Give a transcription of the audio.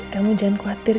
kamu jangan khawatir